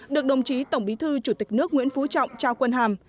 được đồng chí tổng bí thư chủ tịch nước nguyễn phú trọng trao quân hàm